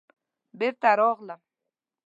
بېرته راغلم.